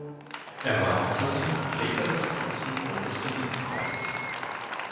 Er war außerdem Träger des Großen Bundesverdienstkreuzes.